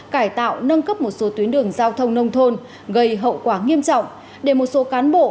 cải tạo nâng cấp một số tuyến đường giao thông nông thôn gây hậu quả nghiêm trọng để một số cán bộ